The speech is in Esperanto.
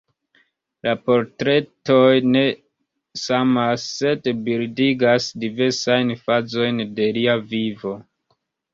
La portretoj ne samas, sed bildigas diversajn fazojn de lia vivo.